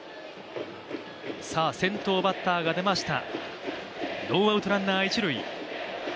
先頭バッターが出ました。